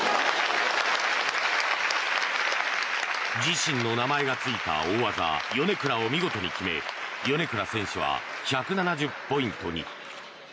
自身の名前がついた大技、ヨネクラを見事に決め米倉選手は１７０ポイントに。